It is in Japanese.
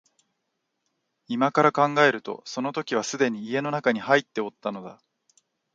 今から考えるとその時はすでに家の内に入っておったのだ